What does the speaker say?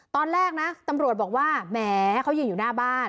ตอนแรกนะตำรวจบอกว่าแหมเขายืนอยู่หน้าบ้าน